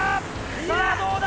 さぁどうだ？